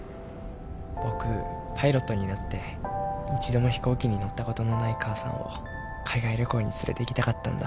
僕パイロットになって一度も飛行機に乗ったことのない母さんを海外旅行に連れていきたかったんだ。